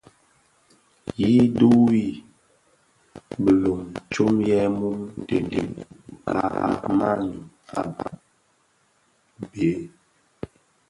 Yi dhiwu bilom tsom yè mum di nin kpag maňyu a bhëg.